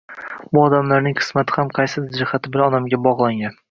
Bu odamlarning qismati ham qaysidir jihati bilan onamga bog‘langan.